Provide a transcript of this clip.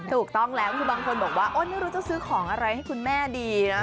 ถูกต้องแล้วคือบางคนบอกว่าโอ๊ยไม่รู้จะซื้อของอะไรให้คุณแม่ดีนะ